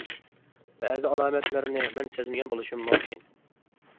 بەزى ئالامەتلەرنى مەن سەزمىگەن بولۇشۇم مۇمكىن.